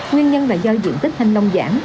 nguyên nhân là do diện tích thanh long giảm